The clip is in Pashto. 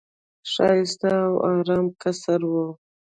ښایسته او آرام قصر وو.